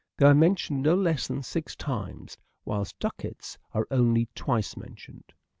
They are mentioned no less than six times whilst " ducats " are only twice mentioned.